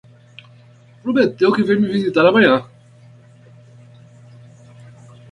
Prometeu que vem me visitar amanhã.